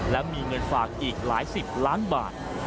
และมีเงินฝากอีกหลายสิบล้านบาท